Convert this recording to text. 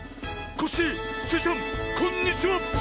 コッシースイちゃんこんにちは！